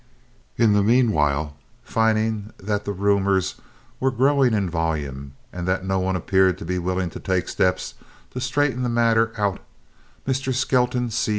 In the meanwhile, finding that the rumors were growing in volume and that no one appeared to be willing to take steps to straighten the matter out, Mr. Skelton C.